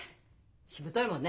しぶといもんね。